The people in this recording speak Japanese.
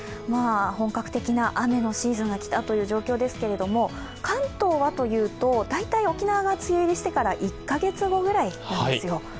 本格的な雨のシーズンが来たという状況ですけども関東はというと、大体沖縄が梅雨入りしてから１カ月後ぐらいなんですよ。